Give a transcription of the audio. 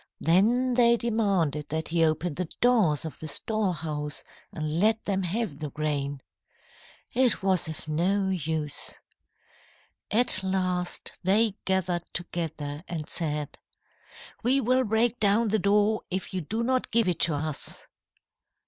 Then they demanded that he open the doors of the storehouse and let them have the grain. It was of no use. "At last, they gathered together, and said: "'We will break down the door if you do not give it to us.'